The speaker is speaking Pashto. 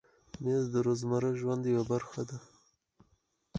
مېز د روزمره ژوند یوه برخه ده.